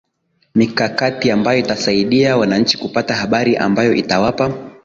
mikakati ambayo itasaidia wananchi kupata habari ambayo itawapa